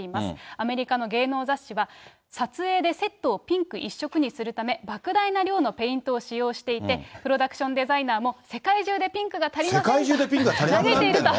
アメリカの芸能雑誌は、撮影でセットをピンク一色にするため、ばく大な量のペイントを使用していて、プロダクションデザイナーも、世界中でピンクが足りませんと、嘆いていると。